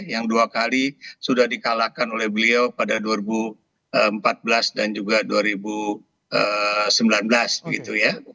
yang dua kali sudah dikalahkan oleh beliau pada dua ribu empat belas dan juga dua ribu sembilan belas gitu ya